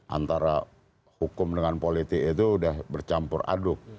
antara hukum dengan politik itu sudah bercampur aduk